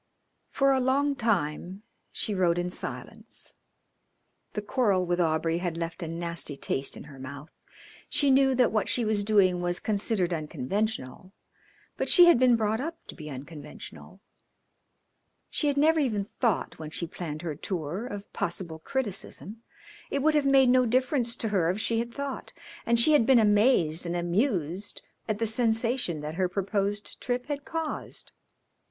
For a long time she rode in silence. The quarrel with Aubrey had left a nasty taste in her mouth. She knew that what she was doing was considered unconventional, but she had been brought up to be unconventional. She had never even thought, when she planned her tour, of possible criticism; it would have made no difference to her if she had thought, and she had been amazed and amused at the sensation that her proposed trip had caused.